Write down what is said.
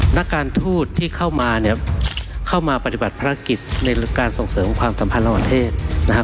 นักการทูตที่เข้ามาเนี่ยเข้ามาปฏิบัติภารกิจในการส่งเสริมความสัมพันธ์ระหว่างประเทศนะครับ